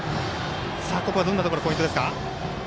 ここはどんなところがポイントですか。